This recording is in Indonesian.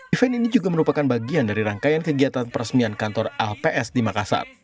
event ini juga merupakan bagian dari rangkaian kegiatan peresmian kantor lps di makassar